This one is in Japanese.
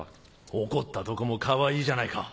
怒ったとこもかわいいじゃないか。